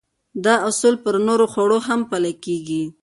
دا اصل پر نورو خوړو هم پلي کېږي.